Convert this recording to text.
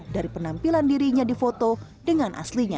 dari penampilan dirinya di foto dengan aslinya